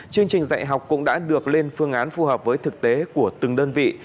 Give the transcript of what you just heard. chương trình dạy học cũng đã được lên phương án phù hợp với thực tế của từng đơn vị